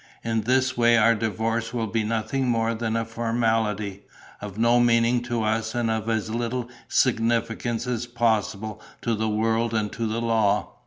In this way our divorce will be nothing more than a formality, of no meaning to us and of as little significance as possible to the world and to the law.